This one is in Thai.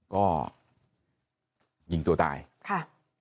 ก็ยิงตัวตายค่ะ